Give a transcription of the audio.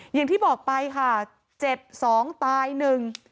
อย่างที่บอกไปค่ะเจ็บสองตายหนึ่ง